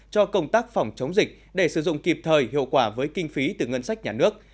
cho công tác phòng chống dịch để sử dụng kịp thời hiệu quả với kinh phí từ ngân sách nhà nước